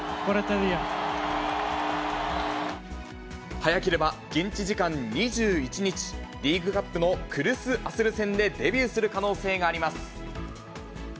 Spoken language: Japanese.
早ければ現地時間２１日、リーグカップのクルス・アスル戦でデビューする可能性があります。